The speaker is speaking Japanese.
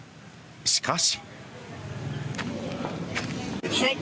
しかし。